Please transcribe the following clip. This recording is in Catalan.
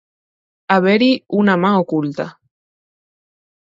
Haver-hi una mà oculta.